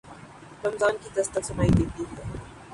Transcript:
رمضان کی دستک سنائی دیتی ہے۔